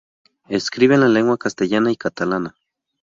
Escribe en lengua castellana y catalana.